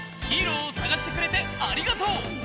ヒーローをさがしてくれてありがとう！